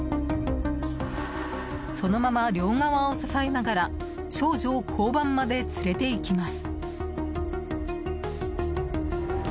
そのまま両側を支えながら少女を交番まで連れていきます。